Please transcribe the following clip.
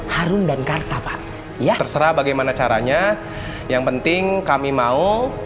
harun dan karta pak ya choosing andi mau